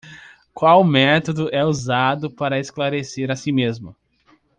Qual método é usado para esclarecer a si mesmo?